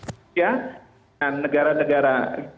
indonesia dan negara negara